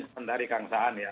sementari kang saan ya